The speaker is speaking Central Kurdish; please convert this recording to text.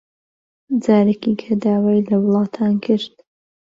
جارێکی کە داوای لە وڵاتان کرد